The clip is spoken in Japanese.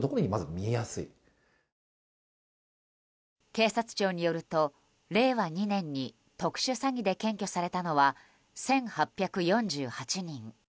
警察庁によると、令和２年に特殊詐欺で検挙されたのは１８４８人。